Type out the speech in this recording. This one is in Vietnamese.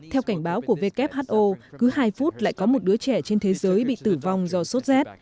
theo cảnh báo của who cứ hai phút lại có một đứa trẻ trên thế giới bị tử vong do sốt z